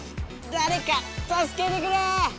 だれかたすけてくれ！